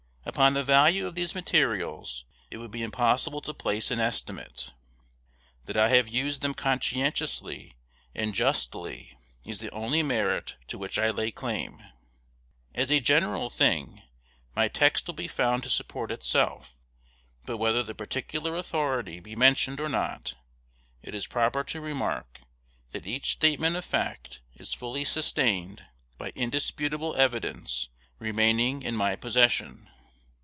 Upon the value of these materials it would be impossible to place an estimate. That I have used them conscientiously and justly is the only merit to which I lay claim. As a general thing, my text will be found to support itself; but whether the particular authority be mentioned or not, it is proper to remark, that each statement of fact is fully sustained by indisputable evidence remaining in my possession.